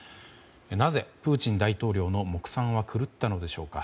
なぜ、プーチン大統領の目算は狂ったのでしょうか。